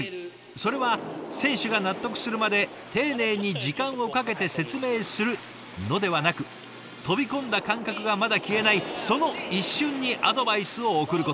それは選手が納得するまで丁寧に時間をかけて説明するのではなく飛び込んだ感覚がまだ消えないその一瞬にアドバイスを送ること。